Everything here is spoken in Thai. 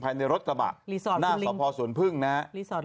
ในรถกระบะหน้าสพสวนพึ่งนะฮะ